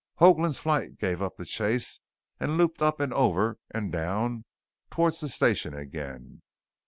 Hoagland's flight gave up the chase and looped up and over and down towards the station again.